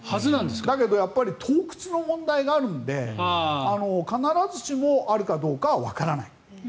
だけど、盗掘の問題があるので必ずしもあるかどうかはわからない。